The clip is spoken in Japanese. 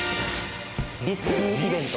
リスキーイベント？